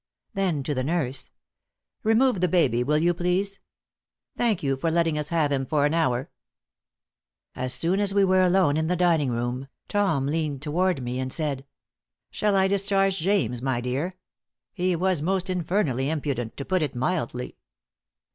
Then, to the nurse: "Remove the baby, will you, please? Thank you for letting us have him for an hour." As soon as we were alone in the dining room, Tom leaned toward me and said: "Shall I discharge James, my dear? He was most infernally impudent, to put it mildly."